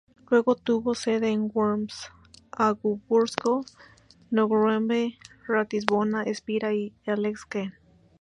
Luego tuvo sede en Worms, Augsburgo, Núremberg, Ratisbona, Espira y Esslingen.